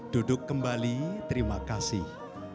duduk kembali terima kasih